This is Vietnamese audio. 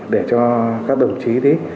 để cho các đồng chí